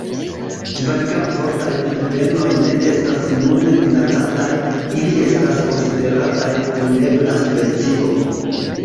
Kvankam Fortaj pingvenoj ne estas nune minacataj, ili estas konsiderataj vundebla specio.